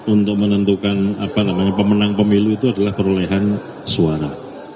untuk menentukan pemenang pemilu itu adalah perolehan suara